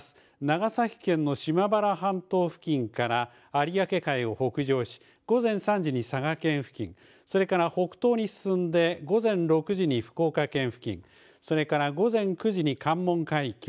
長崎県の島原半島付近から、有明海を北上し、午前３時に佐賀県付近、それから北東に進んで、午前６時に福岡県付近、それから、午前９時に関門海峡。